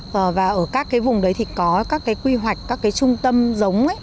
và ở các cái vùng đấy thì có các cái quy hoạch các cái trung tâm giống ấy